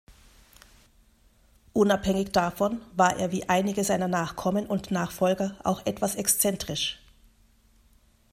Unabhängig davon war er wie einige seiner Nachkommen und Nachfolger auch etwas exzentrisch.